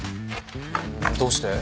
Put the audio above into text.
どうして？